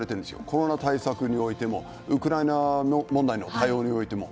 コロナ対策においてもウクライナの問題への対応においても。